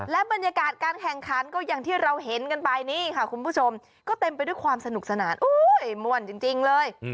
และบรรยากาศการแข่งขันก็อย่างที่เราเห็นกันไปนี่ค่ะคุณผู้ชมก็เต็มไปด้วยความสนุกสนานม่วนจริงเลย